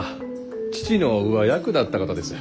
父の上役だった方です。